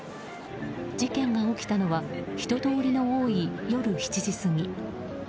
事件が起きたのは人通りの多い夜７時過ぎ。